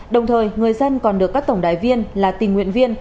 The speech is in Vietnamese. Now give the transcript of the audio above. đồng thời người dân còn được các tổng đài viên là tình nguyện viên